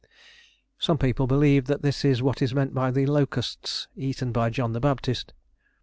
Some people believe that this is what is meant by the "locusts" eaten by John the Baptist.